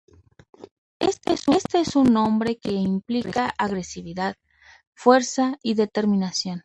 Este es un nombre que implica agresividad, fuerza y determinación.